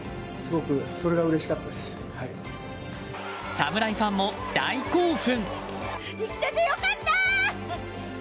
侍ファンも大興奮！